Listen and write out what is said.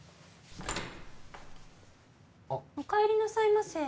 あっお帰りなさいませ